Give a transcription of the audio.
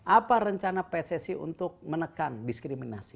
apa rencana pssi untuk menekan diskriminasi